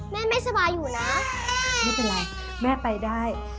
แม่ไม่สบายอยู่นะไม่เป็นไรแม่ไปได้